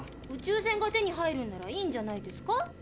宇宙船が手に入るんならいいんじゃないですか？